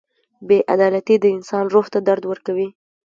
• بې عدالتي د انسان روح ته درد ورکوي.